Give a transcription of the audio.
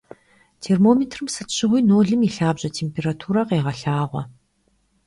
Термометрым сыт щыгъуи нолым и лъабжьэ температурэ къегъэлъагъуэ.